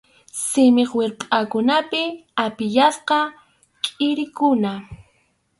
Simip wirpʼankunapi apiyasqa kʼirikuna.